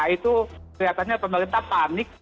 itu kelihatannya pemerintah panik